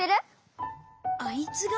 あいつが？